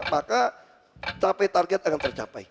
maka capai target akan tercapai